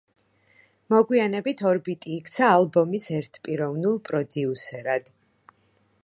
მოგვიანებით ორბიტი იქცა ალბომის ერთპიროვნულ პროდიუსერად.